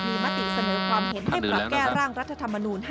มีมติเสนอความเห็นให้ปรับแก้ร่างรัฐธรรมนูล